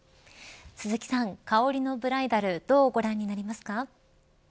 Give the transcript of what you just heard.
鈴木さん、香りのブライダルどうご覧になりますか。